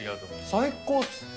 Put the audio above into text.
最高っす！